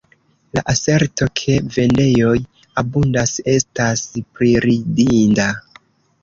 La aserto, ke vendejoj abundas, estas priridinda.